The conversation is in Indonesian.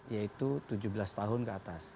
yaitu tujuh belas tahun ke atas